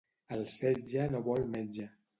El setge no vol metge.